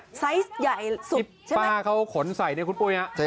ไซส์ใหญ่สุดใช่ไหมอิปป้าเขาขนใส่เนี่ยคุณปุ๊ยฮะ